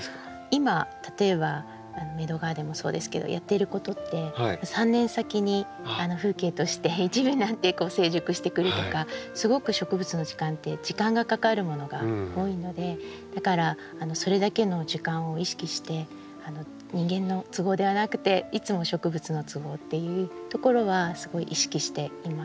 今例えばメドウガーデンもそうですけどやっていることって３年先に風景として一部になって成熟してくるとかすごく植物の時間って時間がかかるものが多いのでだからそれだけの時間を意識して人間の都合ではなくていつも植物の都合っていうところはすごい意識していますね。